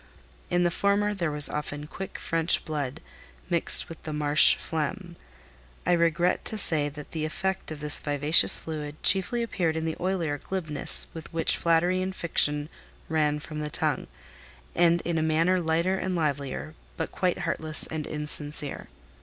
In the former there was often quick French blood mixed with the marsh phlegm: I regret to say that the effect of this vivacious fluid chiefly appeared in the oilier glibness with which flattery and fiction ran from the tongue, and in a manner lighter and livelier, but quite heartless and insincere.